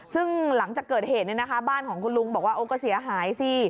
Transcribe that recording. ซึ่งหลังจากเกิดเฮทนี่นะคะบ้านของคุณลุงบอกว่าก็เสียหายสิ